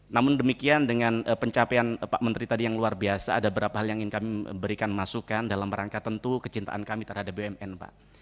namun demikian dengan pencapaian pak menteri tadi yang luar biasa ada beberapa hal yang ingin kami berikan masukan dalam rangka tentu kecintaan kami terhadap bumn pak